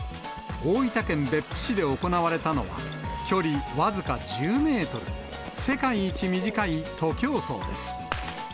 大分県別府市で行われたのは、距離僅か１０メートル、世界一短い徒競走です。